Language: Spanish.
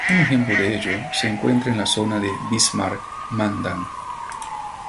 Un ejemplo de ello se encuentra en la zona de Bismarck-Mandan.